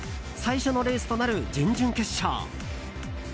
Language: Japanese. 最初のレースとなる準々決勝。